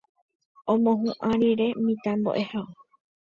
omohu'ã rire mitãmbo'ehao